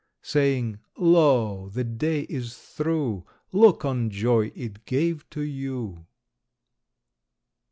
Saying _Lo, the day is through! Look on joy it gave to you!